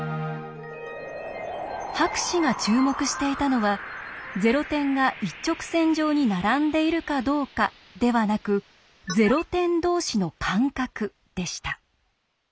博士が注目していたのは「ゼロ点が一直線上に並んでいるかどうか」ではなく「ゼロ点同士の間隔」でした。